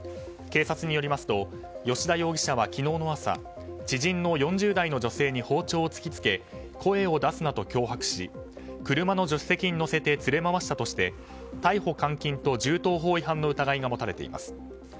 警察によりますと吉田容疑者は昨日の朝知人の４０代の女性に刃物を突き付け声を出すなと脅迫し車の助手席に乗せて連れ回したとして逮捕監禁と銃刀法違反の疑いが持たれています。